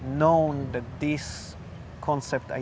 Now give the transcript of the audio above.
kita tahu bahwa ide konsep ini